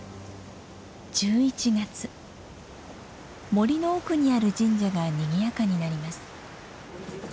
森の奥にある神社がにぎやかになります。